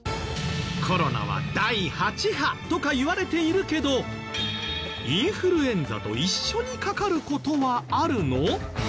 コロナは第８波とかいわれているけどインフルエンザと一緒にかかる事はあるの？